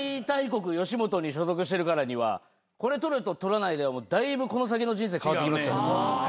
大国吉本に所属してるからにはこれ取ると取らないではだいぶこの先の人生変わってきます。